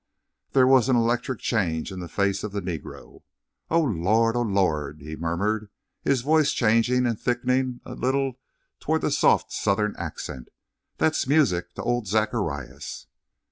There was an electric change in the face of the Negro. "Oh, Lawd, oh, Lawd!" he murmured, his voice changing and thickening a little toward the soft Southern accent. "That's music to old Zacharias!"